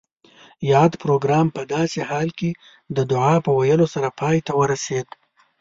یاد پروګرام پۀ داسې حال کې د دعا پۀ ویلو سره پای ته ورسید